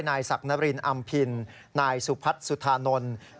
นายสักซาระนบรินอ่ำพินนายสุพัธย์สุธานนทบุรี